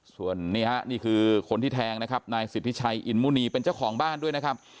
ส่วนนี่ฮะนี่คือคนที่แทงนะครับนายสิทธิชัยอินมุณีเป็นเจ้าของบ้านด้วยนะครับ